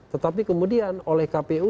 tetapi kemudian oleh kpu